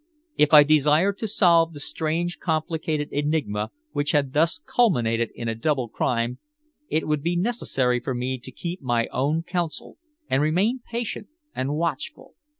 If I desired to solve the strange complicated enigma which had thus culminated in a double crime, it would be necessary for me to keep my own counsel and remain patient and watchful.